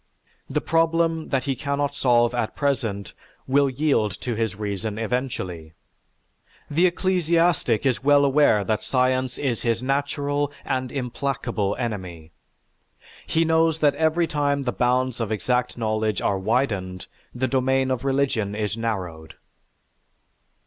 The problem that he cannot solve at present will yield to his reason eventually. The ecclesiastic is well aware that science is his natural and implacable enemy. He knows that every time the bounds of exact knowledge are widened, the domain of religion is narrowed.